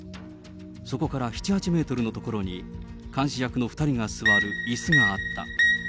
そこから７、８メートルの所に監視役の２人が座るいすがあった。